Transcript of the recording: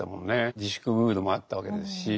自粛ムードもあったわけですし。